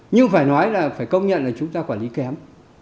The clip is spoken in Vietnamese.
nhưng phải nói là phải công nhận là chúng ta quản lý kém